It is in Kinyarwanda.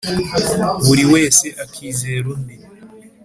buri wese akizera undi,